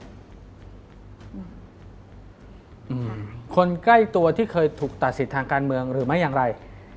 คนใกล้ตัวที่เคยถูกตัดสิทธิ์ทางการเมืองหรือไม่อย่างไร